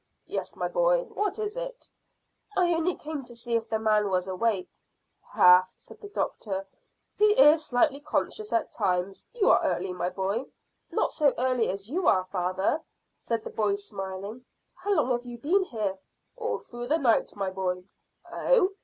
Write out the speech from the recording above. "Yes, my boy; what is it?" "I only came to see if the man was awake." "Half," said the doctor. "He is slightly conscious at times. You are early, my boy." "Not so early as you are, father," said the boy, smiling. "How long have you been here?" "All through the night, my boy." "Oh!"